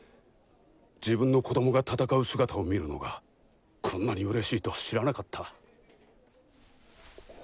自分の子どもが戦う姿を見るのがこんなに嬉しいとは知らなかった。